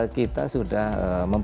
dan kita bisa mencari yang lebih mahal